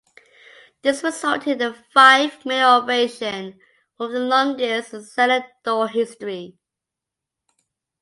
This resulted in a five-minute ovation, one of the longest in Cellar Door history.